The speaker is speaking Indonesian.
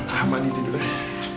lama nih tidurnya